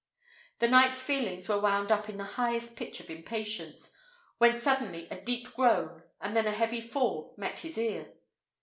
The knight's feelings were wound up to the highest pitch of impatience, when suddenly a deep groan, and then a heavy fall, met his ear.